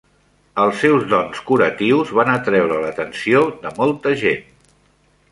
Els seus dons curatius van atreure l'atenció de molta gent.